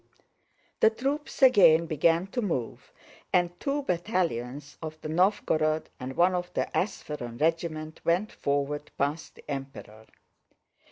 The troops again began to move, and two battalions of the Nóvgorod and one of the Ápsheron regiment went forward past the Emperor.